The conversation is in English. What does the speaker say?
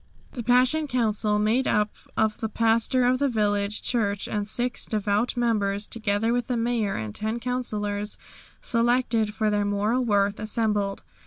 The Passion Council, made up of the pastor of the village church and six devout members, together with the Mayor and ten councillors selected for their moral worth, assembled.